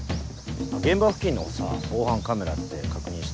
現場付近のさ防犯カメラって確認した？